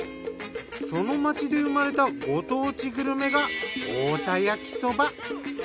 その町で生まれたご当地グルメが太田焼きそば。